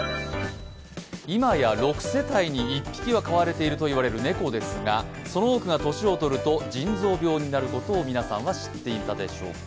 今や６世帯に１匹は飼われているといわれる猫ですがその多くが年をとると腎臓病になることを皆さんは知っていたでしょうか？